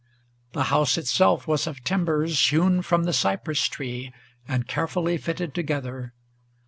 The house itself was of timbers Hewn from the cypress tree, and carefully fitted together.